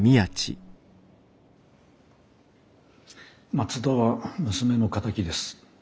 松田は娘の敵です。